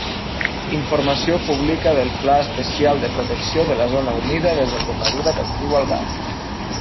Informació publica del Pla Especial de Protecció de la Zona Humida Desembocadura del Riu Algar.